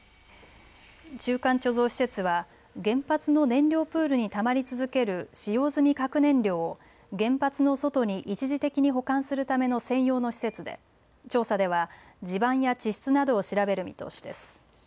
中間貯蔵施設は原発の燃料プールにたまり続ける使用済み核燃料を原発の外に一時的に保管するための専用の施設で調査では地盤や地質などを調べる見通しです。